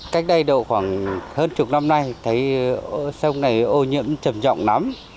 cách đây độ khoảng hơn chục năm nay thấy sông này ô nhiễm trầm trọng lắm